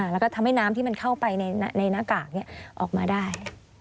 แล้วก็ทำให้น้ำที่มันเข้าไปในหน้ากากออกมาได้